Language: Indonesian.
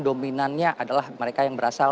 dominannya adalah mereka yang berasal